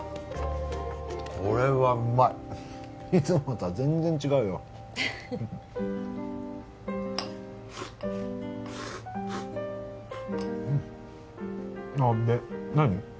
これはうまいいつもとは全然違うよで何？